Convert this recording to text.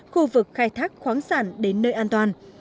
khu vực khai thác khoáng sản đến nơi an toàn